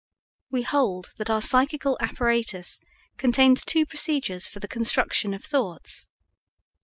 We hold that our psychical apparatus contains two procedures for the construction of thoughts.